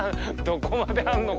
どこまであるの？